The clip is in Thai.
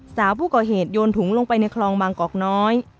สาวผู้ก่อเหตุโยนถุงลงไปในคลองบางกอกน้อย